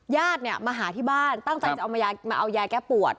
ญาติเนี่ยมาหาที่บ้านตั้งใจจะเอามาเอายาแก้ปวด